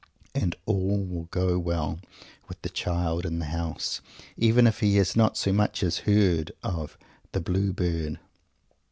And all will go well with "the Child in the House," even if he has not so much as even heard of "the Blue Bird"!